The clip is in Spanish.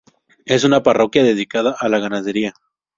Es una parroquia dedicada a la ganadería.